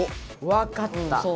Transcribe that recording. わかった！